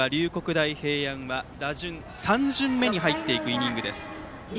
大平安は打順３巡目に入っていくイニングです。